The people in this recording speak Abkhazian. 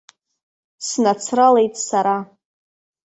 Снацралеит сара.